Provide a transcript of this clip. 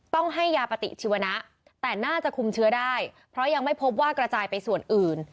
ต้องให้ยาปฏิชีวนะแต่น่าจะคุมเชื้อได้เพราะยังไม่พบว่ากระจายไปส่วนอื่น